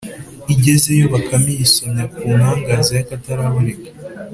Igeze yo, Bakame iyisomya ku nkangaza y’ akataraboneka